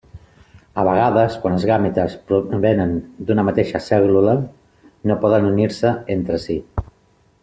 A vegades, quan els gàmetes provenen d'una mateixa cèl·lula no poden unir-se entre si.